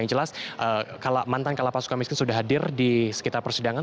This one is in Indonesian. dan jelas mantan kalapas suka miskin sudah hadir di sekitar persidangan